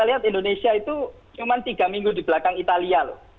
kita lihat indonesia itu cuma tiga minggu di belakang italia loh